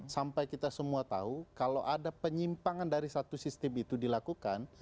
sampai kita semua tahu kalau ada penyimpangan dari satu sistem itu dilakukan